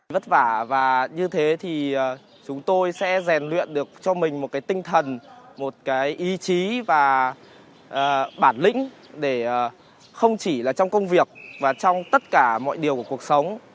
vất vả và như thế thì chúng tôi sẽ rèn luyện được cho mình một cái tinh thần một cái ý chí và bản lĩnh để không chỉ là trong công việc và trong tất cả mọi điều của cuộc sống